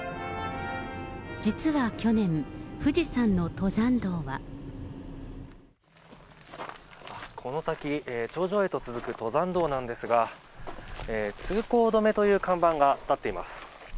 実は去年、富士山の登山道は。この先、頂上へと続く登山道なんですが、通行止めという看板が立っています。